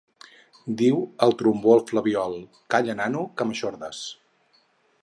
Diu el trombó al flabiol: Calla nano, que m'eixordes!